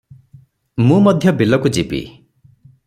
ମୁଁ ମଧ୍ୟ ବିଲକୁ ଯିବି ।